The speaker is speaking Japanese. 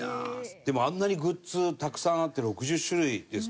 でもあんなにグッズたくさんあって６０種類ですか？